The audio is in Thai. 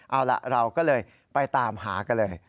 เอาล่ะเราก็เลยไปตามหากันเลย